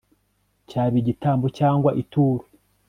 cyaba igitambo cyangwa ituro